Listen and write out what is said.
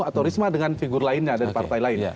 atau risma dengan figur lainnya dari partai lain